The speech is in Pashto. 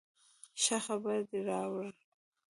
ښه خبر دې راوړ